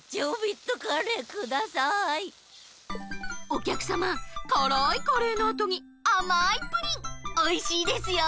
おきゃくさまからいカレーのあとにあまいプリンおいしいですよ。